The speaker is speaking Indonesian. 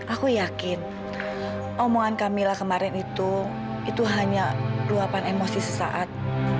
aku yakin omongan camilla kemarin itu itu hanya luapan emosi sesaat